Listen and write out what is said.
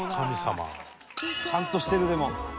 「ちゃんとしてるでも。